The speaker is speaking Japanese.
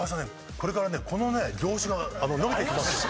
これからねこの業種が伸びてきます」